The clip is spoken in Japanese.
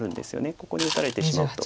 ここに打たれてしまうと。